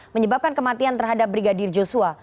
menyebabkan kematian terhadap brigadir joshua